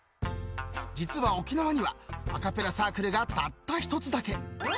［実は沖縄にはアカペラサークルがたった一つだけ］